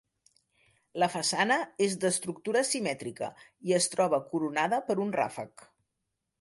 La façana és d'estructura simètrica i es troba coronada per un ràfec.